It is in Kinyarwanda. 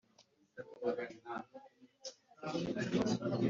itegeko rigenga umurimo